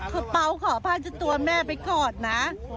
เค้าเปล่าขอพาชัดตัวแม่ไปกอดนะ